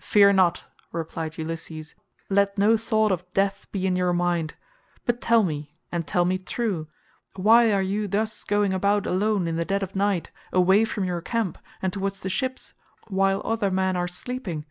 "Fear not," replied Ulysses, "let no thought of death be in your mind; but tell me, and tell me true, why are you thus going about alone in the dead of night away from your camp and towards the ships, while other men are sleeping?